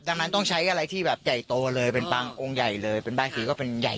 ดังนั้นต้องใช้อะไรที่แบบใหญ่โตเลยเป็นปังองค์ใหญ่เลยเป็นบางทีก็เป็นใหญ่